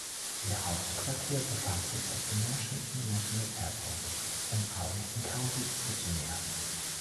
Ihr Hauptquartier befand sich auf dem Washington National Airport in Arlington County, Virginia.